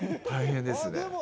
大変ですね。